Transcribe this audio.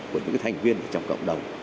của những thành viên trong cộng đồng